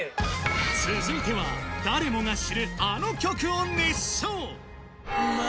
続いては、誰もが知るあの曲を熱唱。